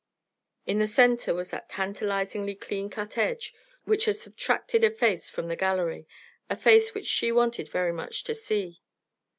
In the centre was that tantalizingly clean cut edge which had subtracted a face from the gallery a face which she wanted very much to see.